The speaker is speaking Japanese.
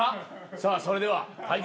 さあそれでは対決